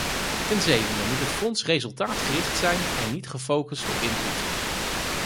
Ten zevende moet het fonds resultaatgericht zijn en niet gefocust op input.